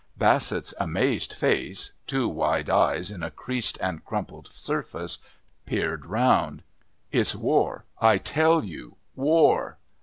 Bassett's amazed face, two wide eyes in a creased and crumpled surface, peered round. "It's war, I tell you. War!"